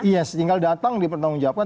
iya tinggal datang dipertanggungjawabkan